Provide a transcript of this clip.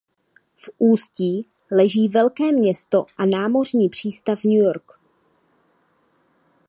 V ústí leží velké město a námořní přístav New York.